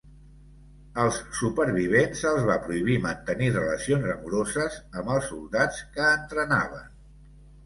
Als supervivents se'ls va prohibir mantenir relacions amoroses amb els soldats que entrenaven.